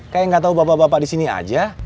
kayak gak tau bapak bapak disini aja